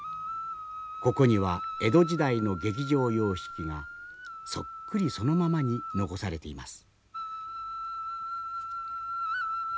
ここには江戸時代の劇場様式がそっくりそのままに残されています。